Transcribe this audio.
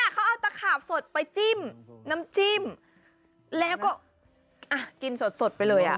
เขาเอาตะขาบสดไปจิ้มน้ำจิ้มแล้วก็กินสดไปเลยอ่ะ